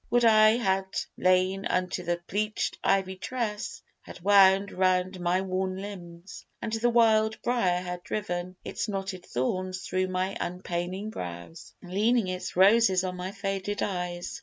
Would I had lain Until the pleached ivy tress had wound Round my worn limbs, and the wild briar had driven Its knotted thorns thro' my unpaining brows Leaning its roses on my faded eyes.